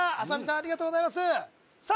ありがとうございますさあ